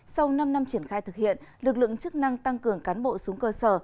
sau năm năm triển khai thực hiện lực lượng chức năng tăng cường cán bộ xuống cơ sở